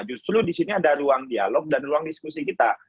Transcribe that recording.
justru disini ada ruang dialog dan ruang diskusi kita